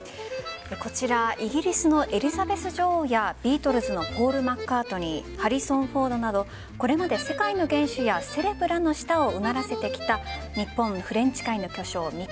こちらイギリスのエリザベス女王やビートルズのポール・マッカートニーハリソン・フォードなどこれまで世界の元首やセレブらの舌をうならせてきた日本フレンチ界の巨匠